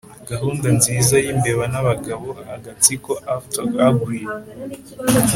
gahunda nziza-yimbeba nabagabo agatsiko aft agley